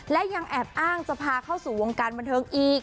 และยังแอบอ้างจะพาเข้าสู่วงการบันเทิงอีก